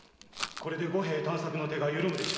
これで五平探索の手が緩むでしょう。